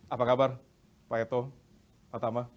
apa kabar pak eto pak tama